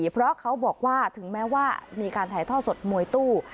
เพราะเขาบอกว่าถึงแม้ว่ามีการถ่ายท่อสดมวยตู้